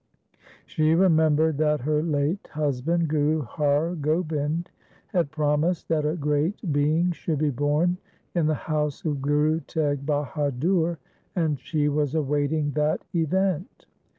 She remembered that her late husband Guru Har Gobind had promised that a great being should be born in the house of Guru Teg Bahadur, and she was awaiting that event.